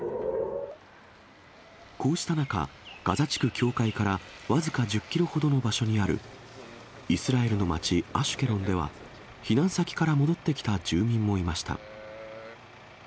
こうした中、ガザ地区境界から僅か１０キロほどの場所にある、イスラエルの町、アシュケロンでは、避難先から戻ってきた住民もいました。